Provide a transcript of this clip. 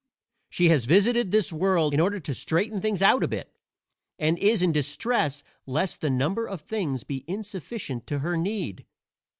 She has visited this world in order to straighten things about a bit, and is in distress lest the number of things be insufficient to her need.